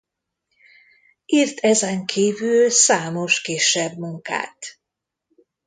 Írt ezenkívül számos kisebb munkát.